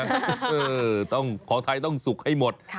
เออของไทยต้องสุกให้หมด